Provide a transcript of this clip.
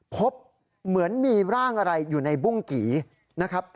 พบเหมือนมีร่างอะไรอยู่ในบุ้งกี่นะครับ